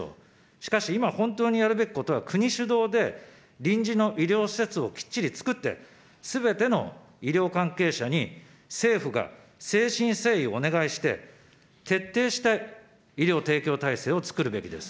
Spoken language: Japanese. しかし、今、本当にやるべきことは国主導で、臨時の医療施設をきっちり作って、すべての医療関係者に、政府が誠心誠意お願いして、徹底して医療提供体制を作るべきです。